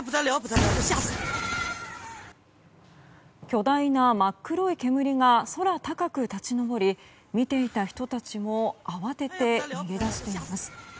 巨大な真っ黒い煙が空高く立ち上り見ていた人たちも慌てて逃げ出しています。